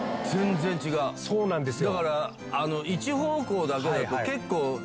そうなんですよ。